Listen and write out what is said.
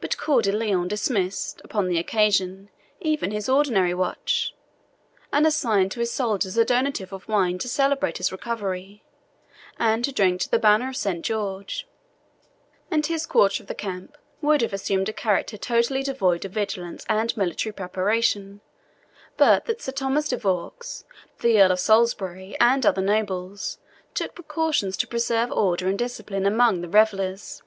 But Coeur de Lion dismissed, upon the occasion, even his ordinary watch, and assigned to his soldiers a donative of wine to celebrate his recovery, and to drink to the Banner of Saint George; and his quarter of the camp would have assumed a character totally devoid of vigilance and military preparation, but that Sir Thomas de Vaux, the Earl of Salisbury, and other nobles, took precautions to preserve order and discipline among the revellers.